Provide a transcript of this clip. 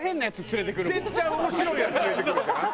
絶対面白いヤツ連れてくるから。